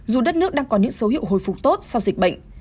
dù đất nước đang có những dấu hiệu hồi phục tốt sau dịch bệnh